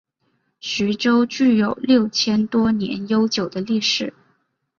徐州具有六千多年悠久的历史。